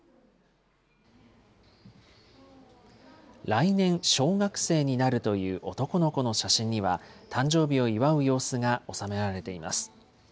来年小学生になるという男の子の写真には、誕生日を祝う様子が収められています。